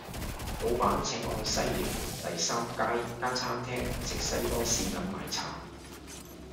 老闆請我去西營盤第三街間餐廳食西多士飲奶茶